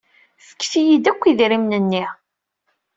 Fket-iyi-d akk idrimen-nni.